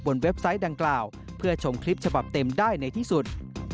กลางกล่าวเพื่อชมคลิปฉบับเต็มได้ในที่สุด